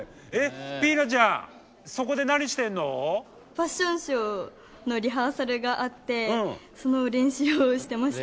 ファッションショーのリハーサルがあってその練習をしてました。